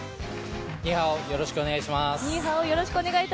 ニーハオ、よろしくお願いします。